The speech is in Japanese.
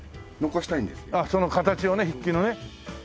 あっその形をね筆記のね。